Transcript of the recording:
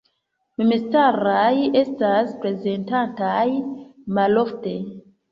Memstaraj estas prezentataj malofte.